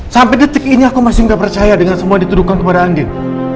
sampai detik ini aku masih gak percaya dengan semua dituduhkan kepada andir